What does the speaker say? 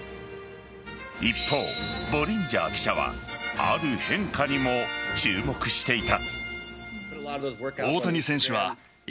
一方、ボリンジャー記者はある変化にも注目していた。